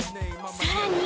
さらに］